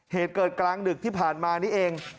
เหตุเกิดกลางดึกที่ผ่านมานี้เอง